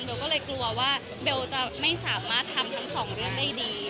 ก็เลยกลัวว่าเบลจะไม่สามารถทำทั้งสองเรื่องได้ดี